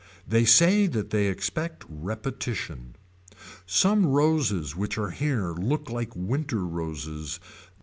They say that they expect repetition. Some roses which are here look like winter roses.